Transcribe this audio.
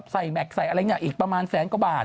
แม็กซใส่อะไรเนี่ยอีกประมาณแสนกว่าบาท